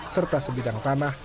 serta sebidang tanah